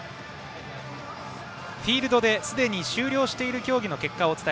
フィールドですでに終了している競技の結果です。